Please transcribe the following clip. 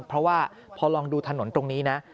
เพราะว่าพอลองดูถนนตรงนี้นะ